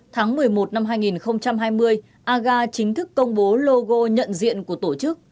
tháng một mươi một năm hai nghìn hai mươi aga chính thức công bố logo nhận diện của tổ chức